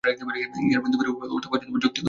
ইহার বিন্দুমাত্র অর্থ বা যৌক্তিকতা নাই।